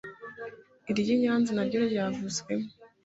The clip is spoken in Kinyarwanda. iry’i Nyanza naryo ryavuzwemo